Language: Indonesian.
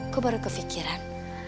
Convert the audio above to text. gue baru kepikiran